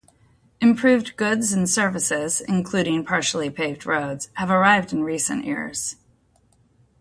Improved goods and services, including partially paved roads, have arrived in recent years.